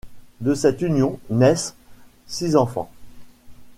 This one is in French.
De cette union, naissent six enfants.